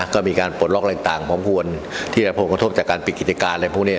ก็มีการปลดล็อกอะไรต่างพร้อมควรที่จะรับผลกระทบจากการปิดกิจการอะไรพวกนี้